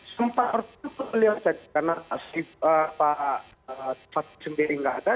sempat waktu itu kelihatan karena pak asura sendiri tidak ada